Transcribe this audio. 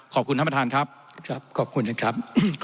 ขอบคุณท่านบททานครับ